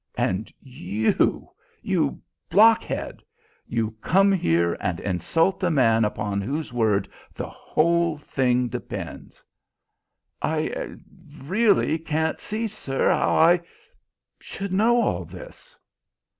And you, you blockhead, you come here and insult the man upon whose word the whole thing depends." "I really can't see, sir, how I should know all this."